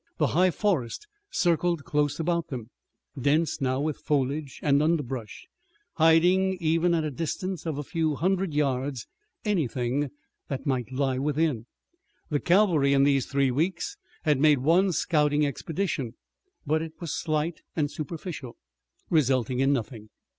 The high forest circled close about them, dense now with foliage and underbrush, hiding even at a distance of a few hundred yards anything that might lie within. The cavalry in these three weeks had made one scouting expedition, but it was slight and superficial, resulting in nothing.